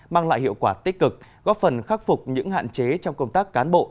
mang lại hiệu quả tích cực góp phần khắc phục những hạn chế trong công tác cán bộ